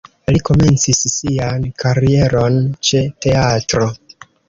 Li komencis sian karieron ĉe teatro.